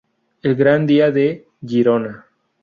El gran dia de Girona.